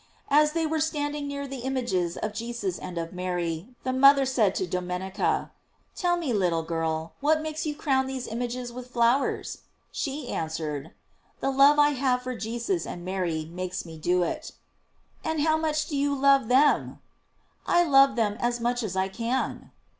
As they wer« standing near the images of Jesus and of Mary, the mother said to Domenica: "Tell me, little girl, what makes you crown these images with flowers?" She answered: "The love I have for Jesus and Mary makes me do it." "And how much do you love them?" "I love them as much as I can."